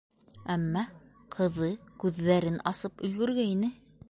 Әммә ҡыҙы күҙҙәрен асып өлгөргәйне.